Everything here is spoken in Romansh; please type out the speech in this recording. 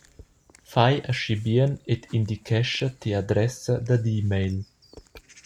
Fai aschi bien ed indichescha tia adressa dad e-mail.